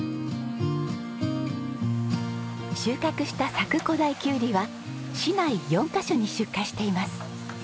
収穫した佐久古太きゅうりは市内４カ所に出荷しています。